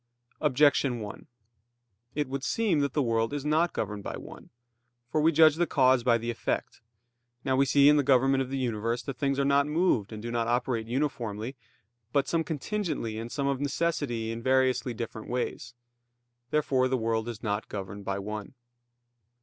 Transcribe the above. Objection 1: It would seem that the world is not governed by one. For we judge the cause by the effect. Now, we see in the government of the universe that things are not moved and do not operate uniformly, but some contingently and some of necessity in variously different ways. Therefore the world is not governed by one.